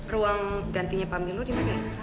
ruang gantinya pamilu dimana